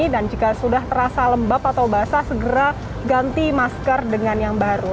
dan jika sudah terasa lembab atau basah segera ganti masker dengan yang baru